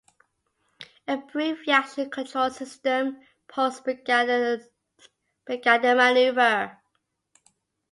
A brief reaction control system pulse began the maneuver.